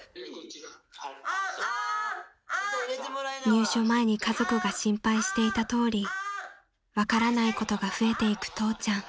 ［入所前に家族が心配していたとおり分からないことが増えていく父ちゃん］